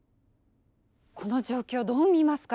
この状況どう見ますか？